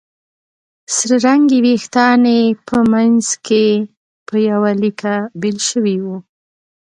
سره رنګي وېښتان یې په منځ کې په يوه ليکه بېل شوي وو